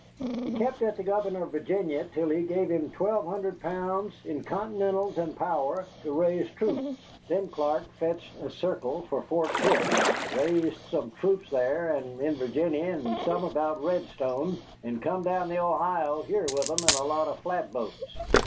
He kept at the governor of Virginny till he gave him twelve hundred pounds in Continentals and power to raise troops. Then Clark fetched a circle for Fort Pitt, raised some troops thar and in Virginny and some about Red Stone, and come down the Ohio here with 'em in a lot of flatboats.